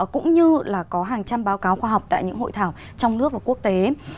cũng như là có hàng trăm báo cáo khoa học tại những hội thảo trong nước và quốc tế